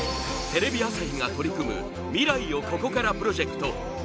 テレビ朝日が取り組む未来をここからプロジェクト